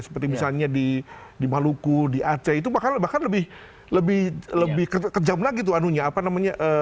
seperti misalnya di di maluku di aceh itu bahkan bahkan lebih lebih lebih kejam lagi tuh anunya apa namanya